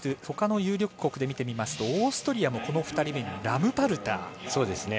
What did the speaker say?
ほかの有力国で見てみますとオーストリアが２人目にラムパルター。